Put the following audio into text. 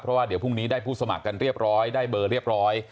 เพราะว่าเดี๋ยวพรุ่งนี้ได้ผู้สมัครกันเรียบร้อยได้เบอร์เรียบร้อย